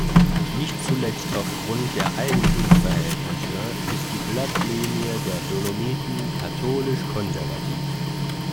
Nicht zuletzt aufgrund der Eigentumsverhältnisse ist die Blattlinie der Dolomiten „katholisch-konservativ“.